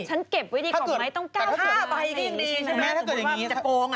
ฉันเก็บวิธีของมัยต้องกล้าวมาให้ถ้าเกิดอย่างนี้ถูกมีว่ามันจะโปรง